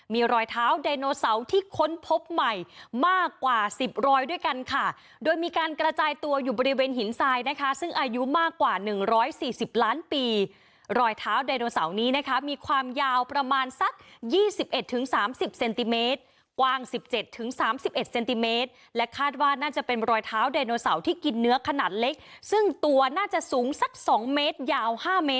มีรอยเท้าไดโนเสาร์ที่ค้นพบใหม่มากกว่าสิบรอยด้วยกันค่ะโดยมีการกระจายตัวอยู่บริเวณหินทรายนะคะซึ่งอายุมากกว่า๑๔๐ล้านปีรอยเท้าไดโนเสาร์นี้นะคะมีความยาวประมาณสัก๒๑๓๐เซนติเมตรกว้าง๑๗๓๑เซนติเมตรและคาดว่าน่าจะเป็นรอยเท้าไดโนเสาร์ที่กินเนื้อขนาดเล็กซึ่งตัวน่าจะสูงสัก๒เมตรยาว๕เมตร